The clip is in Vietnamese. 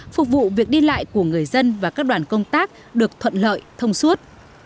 phục vụ việc đi lại của người dân và các đoàn công tác được thuận lợi thông suốt